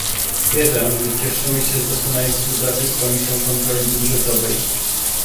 Wierzę, że cieszyliśmy się z doskonałej współpracy z Komisją Kontroli Budżetowej